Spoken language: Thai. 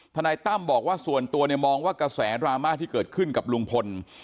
นายตั้มบอกว่าส่วนตัวเนี่ยมองว่ากระแสดราม่าที่เกิดขึ้นกับลุงพล